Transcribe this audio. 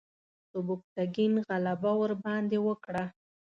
سبکتګین غلبه ورباندې وکړه.